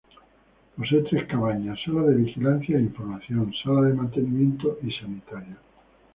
Posee tres cabañas: Sala de vigilancia e información, sala de mantenimiento y sanitarios.